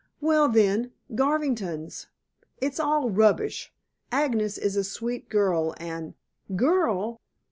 "Well, then, Garvington's. It's all rubbish. Agnes is a sweet girl, and " "Girl?"